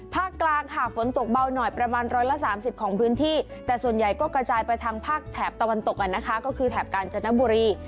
กลางค่ะฝนตกเบาหน่อยประมาณ๑๓๐ของพื้นที่แต่ส่วนใหญ่ก็กระจายไปทางภาคแถบตะวันตกนะคะก็คือแถบกาญจนบุรี